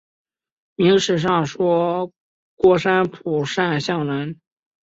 明史上说郭山甫善相人。